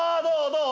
どう？